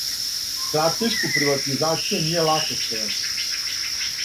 Стратешку приватизацију није лако спровести.